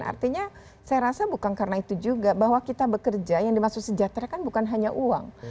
artinya saya rasa bukan karena itu juga bahwa kita bekerja yang dimaksud sejahtera kan bukan hanya uang